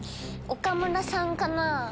岡村さんかな。